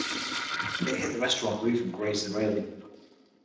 It hit the restaurant roof and grazed the railing.